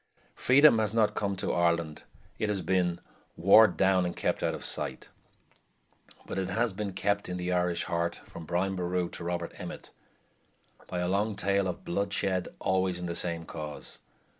Freedom has not come to Ireland; it has been "warred down and kept out of sight"; but it has been kept in the Irish heart, from Brian Boru to Robert Emmet, by a long tale of blood shed always in the same cause.